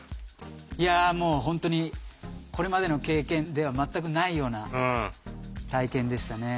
いやもう本当にこれまでの経験では全くないような体験でしたね。